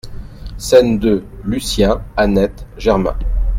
SCÈNE deux LUCIEN, ANNETTE, GERMAIN.